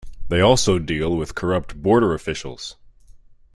They also deal with corrupt border officials.